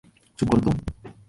চুপ কর তো।